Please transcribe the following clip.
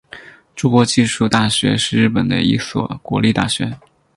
筑波技术大学是日本的一所国立大学。